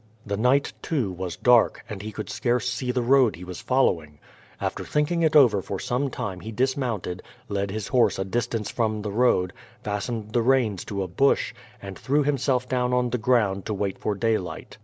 The night, too, was dark, and he could scarce see the road he was following. After thinking it over for some time he dismounted, led his horse a distance from the road, fastened the reins to a bush, and threw himself down on the ground to wait for daylight.